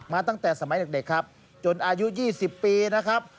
ตั้งแต่สมัยเด็กครับจนอายุ๒๐ปีนะครับ